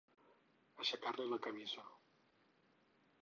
Aixecar-li la camisa.